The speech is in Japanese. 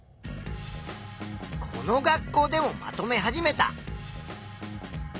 この学校でもまとめ始めた。